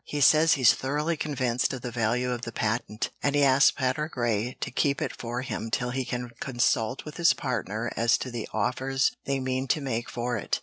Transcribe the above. "He says he's thoroughly convinced of the value of the patent, and he asks Patergrey to keep it for him till he can consult with his partner as to the offer they mean to make for it.